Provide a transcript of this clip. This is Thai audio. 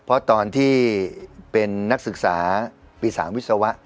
เพราะตอนที่เป็นนักศึกษาปี๓วิศวะ